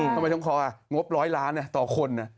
ทำไมต้องคลองบร้อยล้านต่อคน